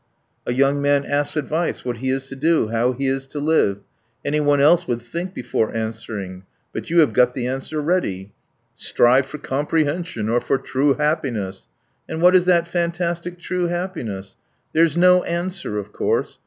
A young man asks advice, what he is to do, how he is to live; anyone else would think before answering, but you have got the answer ready: strive for 'comprehension' or for true happiness. And what is that fantastic 'true happiness'? There's no answer, of course.